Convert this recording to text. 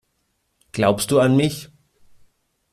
Glaubst du an mich?